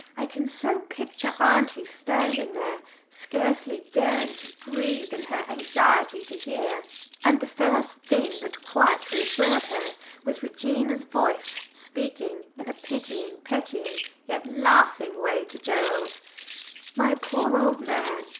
I can so picture auntie standing there, scarcely daring to breathe in her anxiety to hear! And the first thing that quite reassured her was Regina's voice speaking in a pitying, petting, yet laughing way to Gerald. "My poor old man!